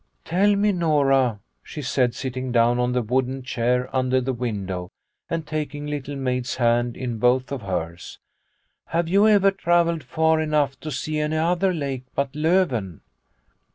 " Tell me, Nora," she said, sitting down on the wooden chair under the window and taking Little Maid's hand in both of hers, " have you ever travelled far enough to see any other lake but Loven